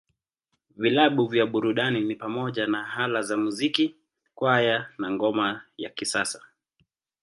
Vilabu vya burudani ni pamoja na Ala za Muziki, Kwaya, na Ngoma ya Kisasa.